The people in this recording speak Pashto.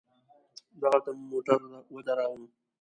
دغلته مو موټر ودراوه.